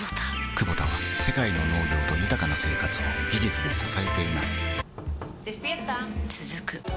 クボタは世界の農業と豊かな生活を技術で支えています起きて。